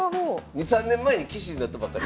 ２３年前に棋士になったばっかり？